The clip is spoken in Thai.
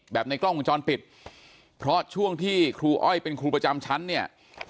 ในกล้องวงจรปิดเพราะช่วงที่ครูอ้อยเป็นครูประจำชั้นเนี่ย